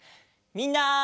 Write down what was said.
みんな。